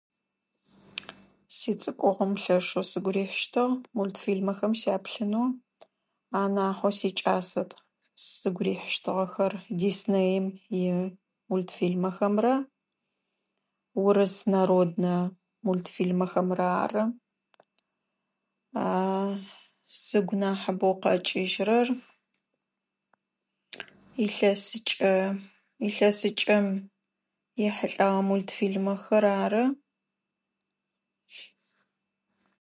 Сицӏыкӏугъом лъэшъэу сыгу рихьыщтыгъ мультфилмэхэр сяплъынэу анахьэу сикӏасэт сыгу рихьыщтыгъэхэр Диснейым имультфилмэхэмрэ урыс народнэ мультфилмэхэмрэ ары. Сыгу нахьыбэу къакӏыжьырэр илъэсикӏэ илъэсикӏэм ехьылӏагъэ мультфилмэхэр ары.